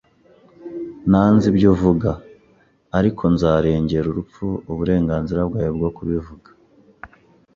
Nanze ibyo uvuga, ariko nzarengera urupfu uburenganzira bwawe bwo kubivuga.